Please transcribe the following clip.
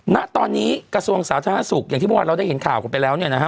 ณตอนนี้กระทรวงสาธารณสุขอย่างที่พวกเราได้เห็นข่าวไปแล้ว